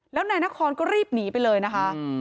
แล้วนายนครก็รีบหนีไปเลยนะคะ